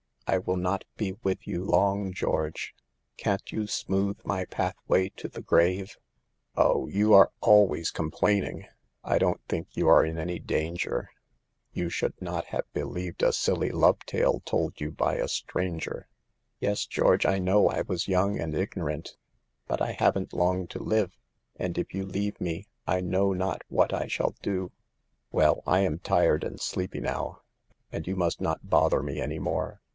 I will not be with you long, George ; can't you smooth my pathway to the grave ?"" 0 ? you are always complaining ; I don't think you are in any danger. You should not 92 SAVE THE GIELS. i have believed a silly love tale told you by a stranger." "Yes, George, I know I was young and ig norant. But I haven't long to live, and if you leave me I know not what I shall do." " Well, I am tired and sleepy now, and you must not bother me any more.